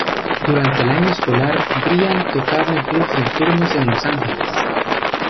Durante el año escolar, Brian tocaba en clubs nocturnos en Los Angeles.